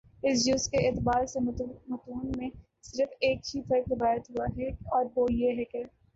اس جز کے اعتبار سے متون میں صرف ایک ہی فرق روایت ہوا ہے اور وہ یہ ہے کہ